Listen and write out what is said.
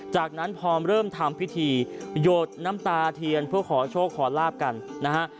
จากนั้นพอเริ่มทำพิธีโหยดน้ำตาเทียนเพื่อขอโชคขอลาบกันนะฮะ